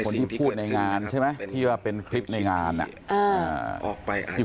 ในสิ่งที่เกิดขึ้นเลยครับแล้วถึงจดทิศปี